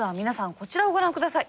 こちらをご覧下さい。